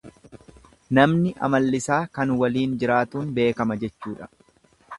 Namni amalliisaa kan waliin jiraatuun beekama jechuudha.